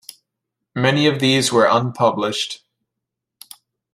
Many of these were unpublished.